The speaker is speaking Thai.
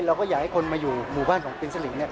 เราก็อยากให้คนมาอยู่หมู่บ้านของปริญญาสิรินี้